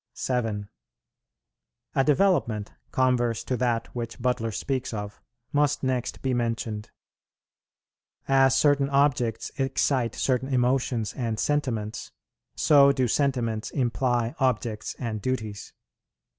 7. A development, converse to that which Butler speaks of, must next be mentioned. As certain objects excite certain emotions and sentiments, so do sentiments imply objects and duties.